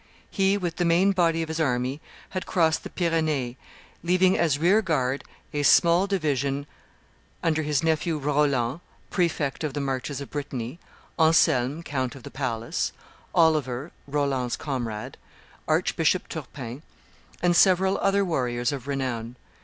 He with the main body of his army had crossed the Pyrenees, leaving as rearguard a small division under his nephew Roland, prefect of the Marches of Brittany, Anselm, count of the palace, Oliver, Roland's comrade, Archbishop Turpin, and several other warriors of renown.